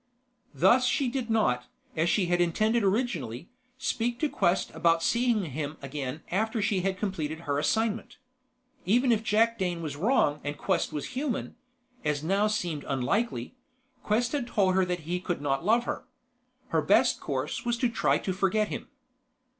Thus she did not, as she had intended originally, speak to Quest about seeing him again after she had completed her assignment. Even if Jakdane was wrong and Quest was human as now seemed unlikely Quest had told her he could not love her. Her best course was to try to forget him.